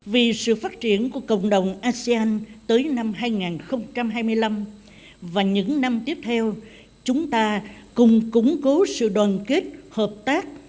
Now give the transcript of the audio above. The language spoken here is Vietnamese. vì sự phát triển của cộng đồng asean tới năm hai nghìn hai mươi năm và những năm tiếp theo chúng ta cùng củng cố sự đoàn kết hợp tác